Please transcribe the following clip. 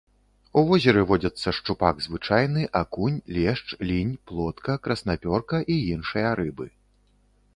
У возеры водзяцца шчупак звычайны, акунь, лешч, лінь, плотка, краснапёрка і іншыя рыбы.